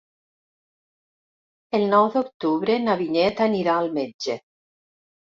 El nou d'octubre na Vinyet anirà al metge.